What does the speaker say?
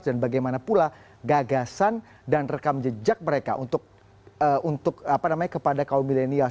dan bagaimana pula gagasan dan rekam jejak mereka untuk kepada kaum milenial